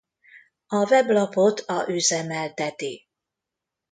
A weblapot a üzemelteti.